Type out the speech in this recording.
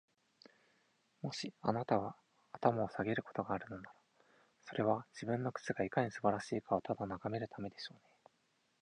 もし、あなたが頭を下げることがあるのなら、それは、自分の靴がいかに素晴らしいかをただ眺めるためでしょうね。